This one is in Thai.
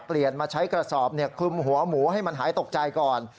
มาใช้กระสอบคลุมหัวหมูให้มันหายตกใจก่อน